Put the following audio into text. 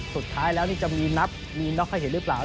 สุดท้ายแล้วนี่จะมีนับมีน็อกให้เห็นหรือเปล่า